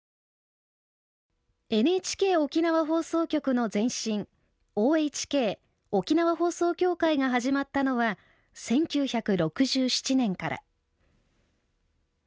ＮＨＫ沖縄放送局の前身ＯＨＫ沖縄放送協会が始まったのは１９６７年から。